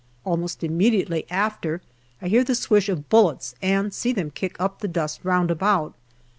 Almost immediately after, I hear the swish of bullets and see them kick up the dust round about.